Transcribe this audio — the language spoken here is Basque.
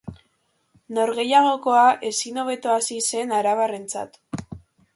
Norgehiagoka ezin hobeto hasi zen arabarrentzat.